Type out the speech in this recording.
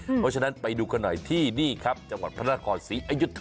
เพราะฉะนั้นไปดูกันหน่อยที่นี่ครับจังหวัดพระนครศรีอยุธ